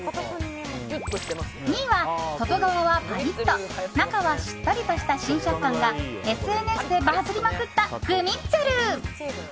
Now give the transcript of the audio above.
２位は、外側はパリッと中はしっとりとした新食感がＳＮＳでバズりまくったグミッツェル。